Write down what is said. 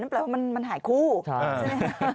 แปลว่ามันหายคู่ใช่ไหม